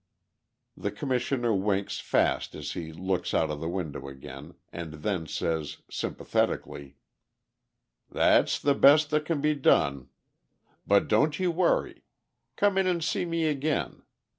The Commissioner winks fast as he looks out of the window again, and then says, sympathetically: "That's the best that can be done. But don't you worry. Come in and see me again.